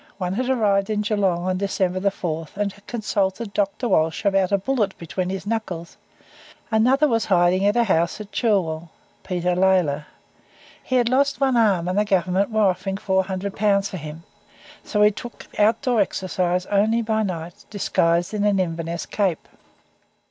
One had arrived in Geelong on December 4th, and had consulted Dr. Walshe about a bullet between his knuckles, another was hiding in a house at Chilwell.* He had lost one arm, and the Government were offering 400 pounds for him, so he took outdoor exercise only by night, disguised in an Inverness cape.